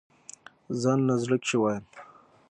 ځانله زړۀ کښې وايم